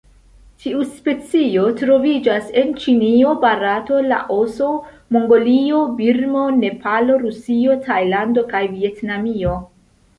Tiu specio troviĝas en Ĉinio, Barato, Laoso, Mongolio, Birmo, Nepalo, Rusio, Tajlando kaj Vjetnamio.